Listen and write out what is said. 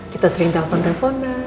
kita sering telepon telepon ma